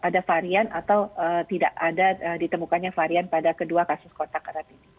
ada varian atau tidak ada ditemukannya varian pada kedua kasus kontak erat ini